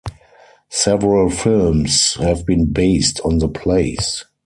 Several films have been based on the plays.